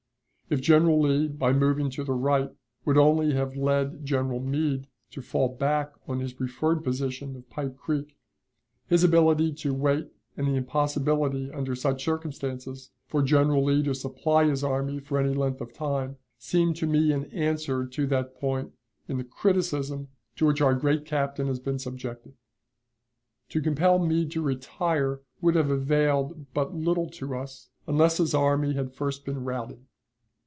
If General Lee, by moving to the right, would only have led General Meade to fall back on his preferred position of Pipe Creek, his ability to wait and the impossibility under such circumstances for General Lee to supply his army for any length of time seem to me an answer to that point in the criticism to which our great Captain has been subjected. To compel Meade to retire would have availed but little to us, unless his army had first been routed.